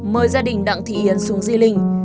mời gia đình đặng thị yến xuống di linh